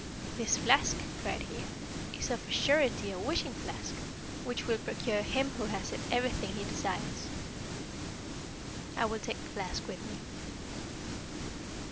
'This flask,' cried he, 'is of a surety a wishing flask, which will procure him who has it everything he desires. I will take the flask with me.'